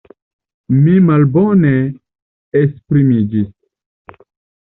Mi malbone esprimiĝis!